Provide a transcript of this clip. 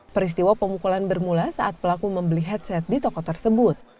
peristiwa pemukulan bermula saat pelaku membeli headset di toko tersebut